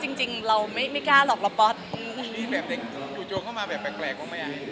ดูโจทย์เข้ามาแบบแปลกว่าไม่อยากให้เป็นเด็กแหละ